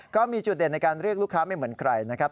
ก็มีจุดเด่นในการเรียกลูกค้าไม่เหมือนใครนะครับ